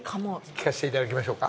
聴かせていただきましょうか。